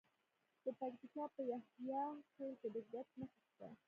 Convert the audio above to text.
د پکتیکا په یحیی خیل کې د ګچ نښې شته.